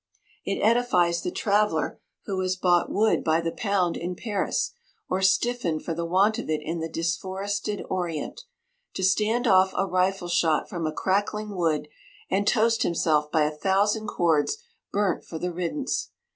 It edifies the traveller who has bought wood by the pound in Paris, or stiffened for the want of it in the disforested Orient, to stand off a rifle shot from a crackling wood, and toast himself by a thousand cords burnt for the riddance.